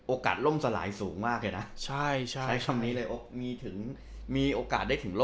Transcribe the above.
โอกาสล้มสลายสูงมากเลยใช่ค่ะ